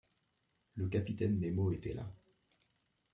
Le capitaine Nemo était là.